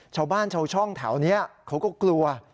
ชาวบ้านชาวช่องแถวนี้เขาก็กลัว